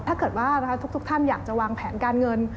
ถ้าเกิดว่าทุกท่านอยากจะวางแผนการเงิน